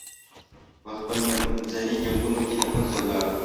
پخپل منځي جنګونو کې له منځه ولاړل.